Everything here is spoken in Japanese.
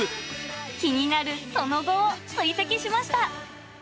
気になるその後を追跡しました。